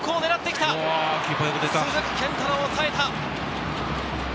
鈴木健太郎、抑えた。